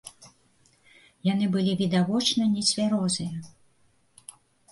Яны былі відавочна нецвярозыя.